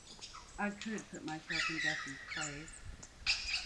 I could put myself in Gussie's place.